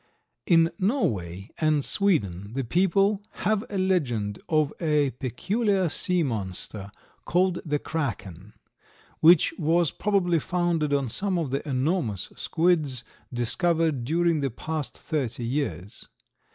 In Norway and Sweden the people have a legend of a peculiar sea monster, called the Kraken, which was probably founded on some of the enormous squids discovered during the past thirty years.